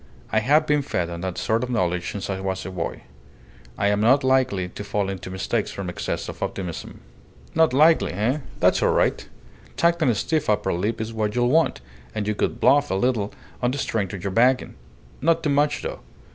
I have been fed on that sort of knowledge since I was a boy. I am not likely to fall into mistakes from excess of optimism." "Not likely, eh? That's all right. Tact and a stiff upper lip is what you'll want; and you could bluff a little on the strength of your backing. Not too much, though.